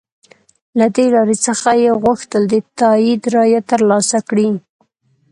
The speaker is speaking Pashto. له دې لارې څخه یې غوښتل د تایید رایه تر لاسه کړي.